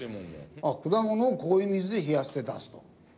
果物を氷水で冷やして出すと。